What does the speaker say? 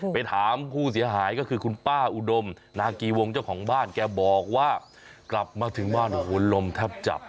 ไปถามผู้เสียหายก็คือคุณป้าอุดมนากีวงเจ้าของบ้านแกบอกว่ากลับมาถึงบ้านโอ้โหลมแทบจับ